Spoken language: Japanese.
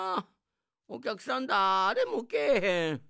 おきゃくさんだれもけえへん。